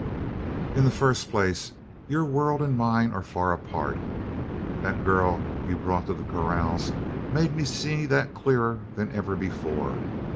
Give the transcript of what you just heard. "In the first place, your world and mine are far apart that girl you brought to the corrals made me see that clearer than ever before.